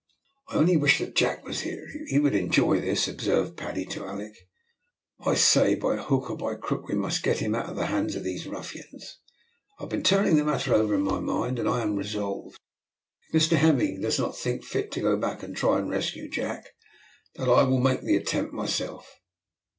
"I only wish that Jack was here; he would enjoy this," observed Paddy to Alick. "I say, by hook or by crook, we must get him out of the hands of those ruffians. I've been turning the matter over in my mind, and I am resolved, if Mr Hemming does not think fit to go back and try and rescue Jack, that I will make the attempt myself.